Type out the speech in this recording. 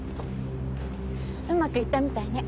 うまくいったみたいね。